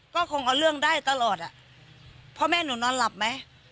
ก็คงเอาเรื่องได้ตลอดอ่ะพ่อแม่หนูนอนหลับไหม